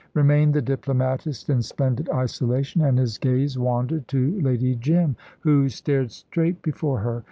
Remained the diplomatist, in splendid isolation, and his gaze wandered to Lady Jim, who stared straight before her.